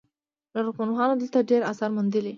لرغونپوهانو دلته ډیر اثار موندلي